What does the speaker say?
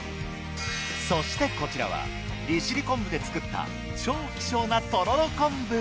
そしてこちらは利尻昆布で作った超希少なとろろ昆布。